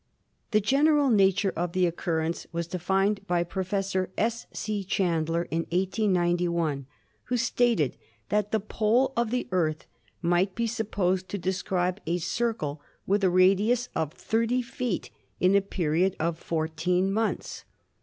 The general nature of the occurrence was denned by Prof. S. C. Chandler in 1891, who stated that the pole of the Earth might be supposed to describe a circle with a radius of 30 feet in a period of fourteen months.